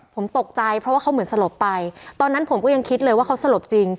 ผมตกใจเพราะว่าเขาเหมือนสลบไปตอนนั้นผมก็ยังคิดเลยว่าเขาสลบจริง